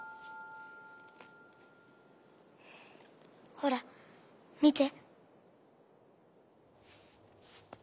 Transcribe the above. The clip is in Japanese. ほら見て。